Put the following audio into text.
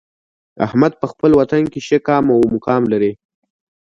احمد په خپل وطن کې ښه قام او مقام لري.